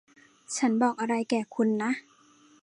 ฉันบอกอะไรแก่คุณนะ